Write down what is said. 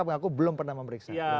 mengaku belum pernah memeriksa